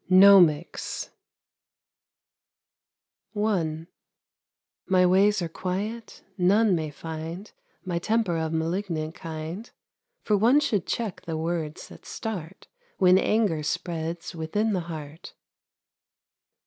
GNOMICS I My ways are quiet, none may find My temper of malignant kind; For one should check the words that start When anger spreads within the heart.